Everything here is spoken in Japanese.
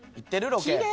ロケ。